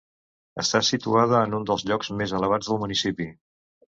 Està situada en un dels llocs més elevats del municipi.